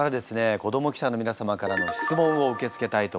子ども記者の皆様からの質問を受け付けたいと思います。